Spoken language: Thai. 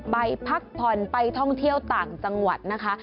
ไปพักผ่อนไปท่องเที่ยวต่างจังหวัดนะคะ